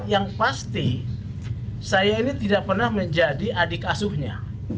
yang pasti saya ini tidak pernah menjadi adik asuhnya